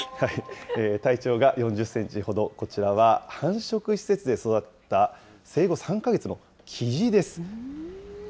体長が４０センチほど、こちらは繁殖施設で育った生後３か月のキジです。